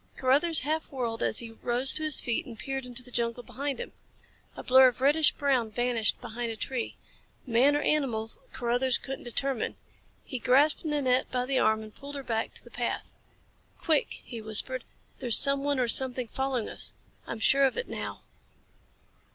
Carruthers half whirled as he rose to his feet and peered into the jungle behind him. A blur of reddish brown vanished behind a tree. Man or animal Carruthers couldn't determine. He grasped Nanette by the arm and pulled her back to the path. "Quick!" he whispered. "There's someone or something following us. I'm sure of it now."